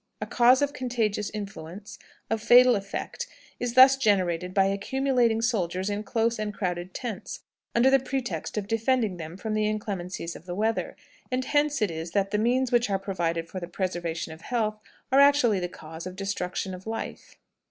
A cause of contagious influence, of fatal effect, is thus generated by accumulating soldiers in close and crowded tents, under the pretext of defending them from the inclemencies of the weather; and hence it is that the means which are provided for the preservation of health are actually the causes of destruction of life.